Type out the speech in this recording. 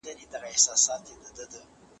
قاتل ته بايد د اسلامي شريعت سره سم سزا ورکړل سي.